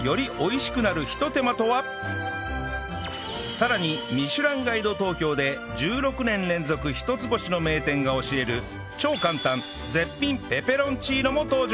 さらに『ミシュランガイド東京』で１６年連続一つ星の名店が教える超簡単絶品ペペロンチーノも登場！